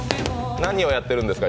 何をやってるんですか？